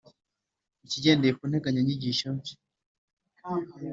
kigendeye ku nteganyanyigisho nshya